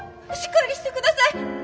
しっかりしてください！